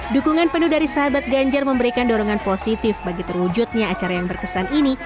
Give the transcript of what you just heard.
dukungan penuh dari sahabat ganjar memberikan dorongan positif bagi terwujudnya acara yang berkesan ini